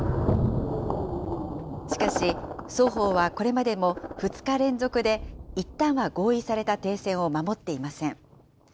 しかし、双方はこれまでも２日連続でいったんは合意された停戦を守っていません。